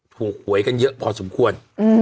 หวยกันเยอะพอสมควร